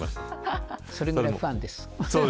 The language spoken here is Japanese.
それくらいファンです。